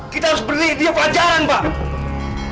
kita harus berdiri dia pelajaran pak